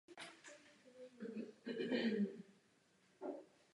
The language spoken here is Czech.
Listy jsou střídavé a v převážné většině případů dvakrát zpeřené.